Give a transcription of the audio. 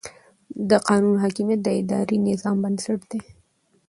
د قانون حاکمیت د اداري نظام بنسټ دی.